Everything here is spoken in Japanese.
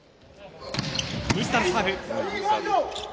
西田のサーブ。